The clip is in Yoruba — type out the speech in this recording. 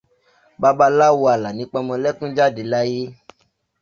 Babaláwo Àlàní Paọmọlẹ́kún jáde láyé.